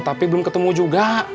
tapi belum ketemu juga